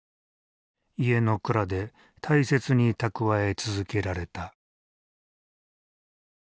家の蔵で大切に蓄え続けられた。